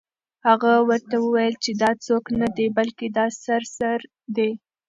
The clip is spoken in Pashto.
هغه ورته وویل چې دا څوک نه دی، بلکې دا سره زر دي.